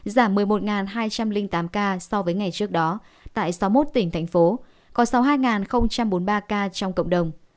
giảm một mươi một hai trăm linh tám ca so với ngày trước đó tại sáu mươi một tỉnh thành phố có sáu mươi hai bốn mươi ba ca trong cộng đồng